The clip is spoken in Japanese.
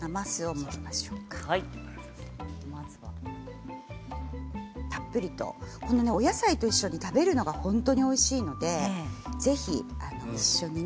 まずは、たっぷりとお野菜と一緒に食べるのが本当においしいのでぜひ一緒に。